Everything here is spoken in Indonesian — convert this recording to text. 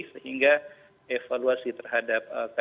sehingga evaluasi terhadap vaksin